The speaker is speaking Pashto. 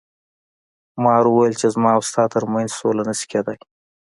مار وویل چې زما او ستا تر منځ سوله نشي کیدی.